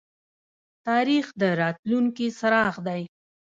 تاریخ د راتلونکي څراغ دی